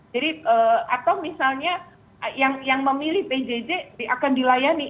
jadi atau misalnya yang memilih pjj akan dilayani